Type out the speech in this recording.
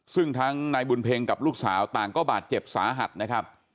ซึ่งทั้งนายบุญเพ็งกับลูกสาวต่างก็บาดเจ็บสาหัสนะครับ